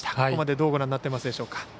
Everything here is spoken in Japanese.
ここまでどうご覧になってますでしょうか。